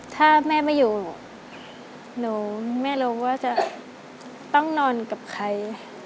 ถ้าแม่ไม่อยู่หนูไม่รู้ว่าจะต้องนอนกับใคร